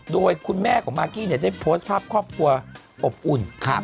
โดยคุณแม่ของมากกี้ได้โพสต์ภาพครอบครัวอบอุ่น